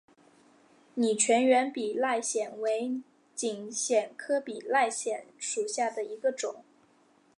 拟全缘比赖藓为锦藓科比赖藓属下的一个种。